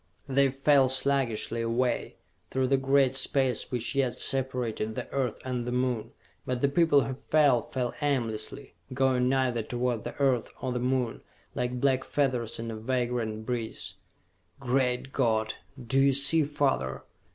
They fell sluggishly away, through the great space which yet separated the Earth and the Moon. But the people who fell, fell aimlessly, going neither toward the Earth or the Moon, like black feathers in a vagrant breeze. "Great God, do you see father?"